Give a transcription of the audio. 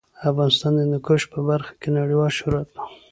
افغانستان د هندوکش په برخه کې نړیوال شهرت لري.